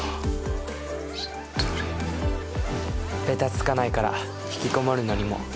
ベタつかないからひきこもるのにも